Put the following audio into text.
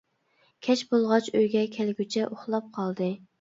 كەچ بولغاچ ئۆيگە كەلگۈچە ئۇخلاپ قالدى.